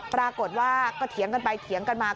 ปรากฏว่าก็เถียงกันไปเถียงกันมา